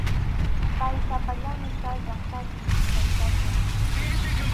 Pay sapallanmi kay llaqtapi, taytachay.